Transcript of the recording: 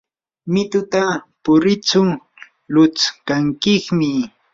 mitupa puritsu lutskankiymi.